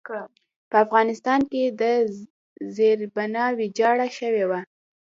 په افغانستان کې زېربنا ویجاړه شوې وه.